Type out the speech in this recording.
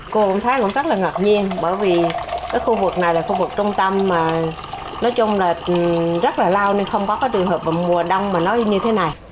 cô cũng thấy rất là ngạc nhiên bởi vì cái khu vực này là khu vực trung tâm mà nói chung là rất là lao nên không có trường hợp vào mùa đông mà nó như thế này